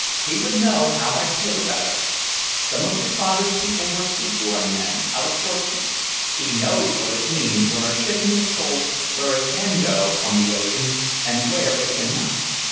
"He would know how I feel about it. Some of your father's people were seagoing men, out of Portsmouth. He knows what it means when our shipping is told where it can go on the ocean, and where it cannot.